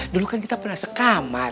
dulu kan kita pernah sekamar